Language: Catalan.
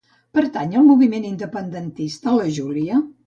Pertany al moviment independentista la Julia?